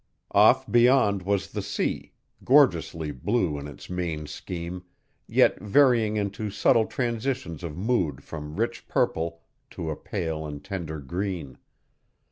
Off beyond was the sea, gorgeously blue in its main scheme, yet varying into subtle transitions of mood from rich purple to a pale and tender green.